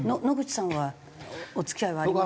野口さんはお付き合いは？